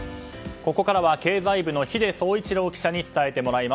ここからは経済部の秀総一郎記者に伝えてもらいます。